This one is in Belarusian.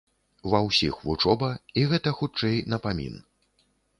Ва ўсіх вучоба, і гэта, хутчэй, напамін.